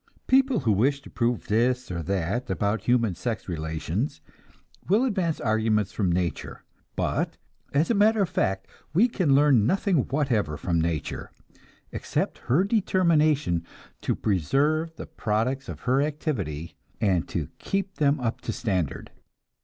People who wish to prove this or that about human sex relations will advance arguments from nature; but as a matter of fact we can learn nothing whatever from nature, except her determination to preserve the products of her activity and to keep them up to standard.